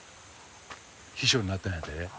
秘書になったんやて。